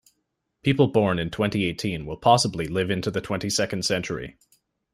People born in twenty-eighteen will possibly live into the twenty-second century.